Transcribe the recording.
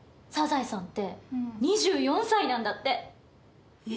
サザエさんって２４歳なんだって。